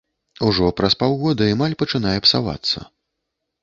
Ужо праз паўгода эмаль пачынае псавацца.